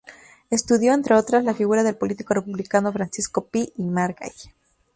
Estudió, entre otras, la figura del político republicano Francisco Pi y Margall.